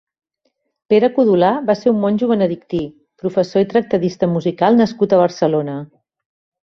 Pere Codolar va ser un monjo benedictí, professor i tractadista musical nascut a Barcelona.